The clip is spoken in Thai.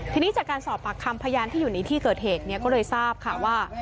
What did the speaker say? ทีนี้จากการสอบปากคำพยานที่อยู่ในที่เกิดเหตุเนี่ยก็เลยทราบค่ะว่า